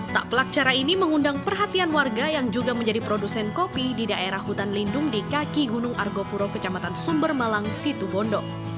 tak pelak cara ini mengundang perhatian warga yang juga menjadi produsen kopi di daerah hutan lindung di kaki gunung argopuro kecamatan sumbermalang situbondo